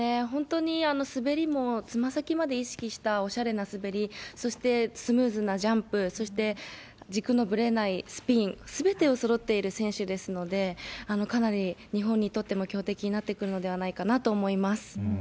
本当に滑りも、つま先まで意識したおしゃれな滑り、そしてスムーズなジャンプ、そして軸のぶれないスピン、すべてがそろっている選手ですので、かなり日本にとっても強敵になっていくのではないかなと思います。